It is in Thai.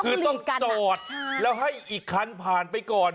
คือต้องจอดแล้วให้อีกคันผ่านไปก่อน